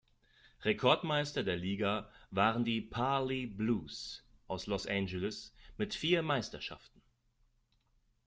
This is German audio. Rekordmeister der Liga waren die "Pali Blues" aus Los Angeles mit vier Meisterschaften.